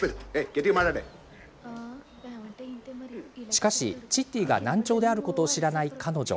しかし、チッティが難聴であることを知らない彼女。